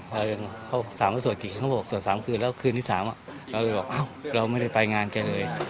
พอเขาถามว่าสวดกี่เขาบอกสวด๓คืนแล้วคืนที่๓เราเลยบอกอ้าวเราไม่ได้ไปงานแกเลย